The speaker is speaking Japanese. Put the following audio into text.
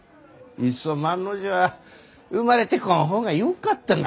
いっそ万の字は生まれてこん方がよかったな。